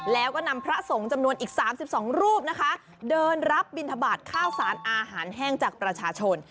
แล้วก็นำพระสงฆ์จำนวนอีก๓๒รูปนะคะเดินรับบินทบาทข้าวสารอาหารแห้งจากประชาชน